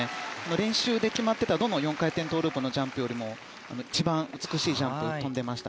練習で決まってたどの４回転トウループのジャンプよりも一番美しいジャンプを跳んでいました。